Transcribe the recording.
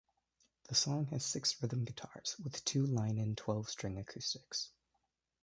The song has six rhythm guitars, with two line-in twelve string acoustics.